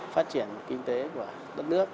phát triển kinh tế của đất nước